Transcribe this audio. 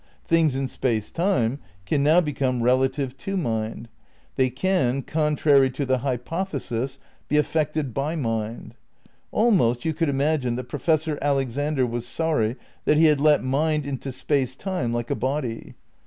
Things in space time can now become relative to mind; they can, con trary to the hypothesis, be affected by mind. Almost you could imagine that Professor Alexander was sorry that he had let mind into space time like a body.